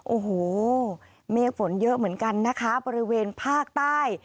โอ้โหเมฆฝนเยอะเหมือนกันนะคะบริเวณภาคใต้